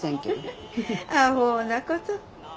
あほうなこと。